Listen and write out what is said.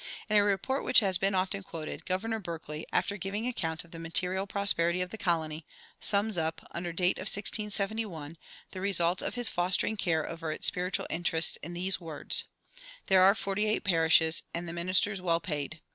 In a report which has been often quoted, Governor Berkeley, after giving account of the material prosperity of the colony, sums up, under date of 1671, the results of his fostering care over its spiritual interests in these words: "There are forty eight parishes, and the ministers well paid.